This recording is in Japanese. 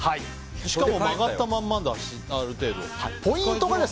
しかも曲がったままだしある程度。